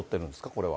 これは。